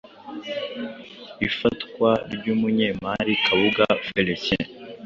Ifatwa ry’umunyemari Kabuga Felicien